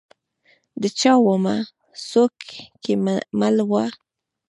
د چا ومه؟ څوک کې مل وه ؟